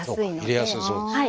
入れやすそうですね。